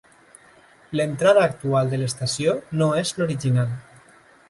L'entrada actual de l'estació no és l'original.